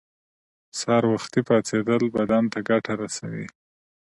سهار وختی پاڅیدل بدن ته ګټه رسوی